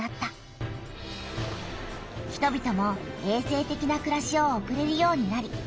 人びともえい生てきなくらしを送れるようになり